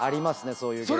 そういうゲーム。